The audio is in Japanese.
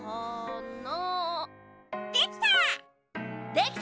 できた！